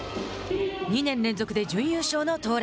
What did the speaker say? ２年連続で準優勝の東レ。